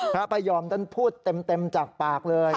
พระพยอมท่านพูดเต็มจากปากเลย